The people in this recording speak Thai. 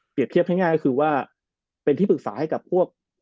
เปรียบเทียบให้ง่ายคือว่าเป็นที่ปรึกษาให้กับพวก